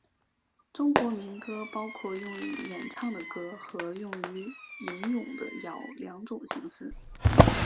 中国民歌包括用以演唱的歌和用于吟诵的谣两种形式。